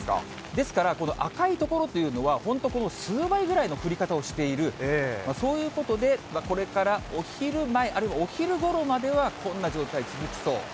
ですから、この赤い所というのは、本当、この数倍ぐらいの降り方をしている、そういうことで、これからお昼前、あるいはお昼ごろまではこんな状態続きそう。